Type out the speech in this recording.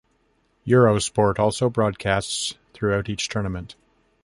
Eurosport also broadcasts throughout each tournament.